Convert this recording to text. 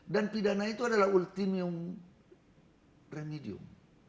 dan pidana itu adalah ultimium remedium